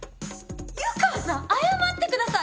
湯川さん謝ってください！